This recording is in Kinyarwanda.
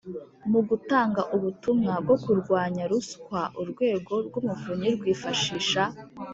Mu gutanga ubutumwa bwo kurwanya ruswa Urwego rw Umuvunyi rwifashisha